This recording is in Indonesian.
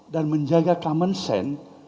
dan menjaga common sense